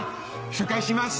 紹介します